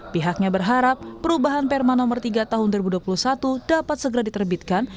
pihaknya berharap perubahan perma nomor tiga tahun dua ribu dua puluh satu dapat segera diterbitkan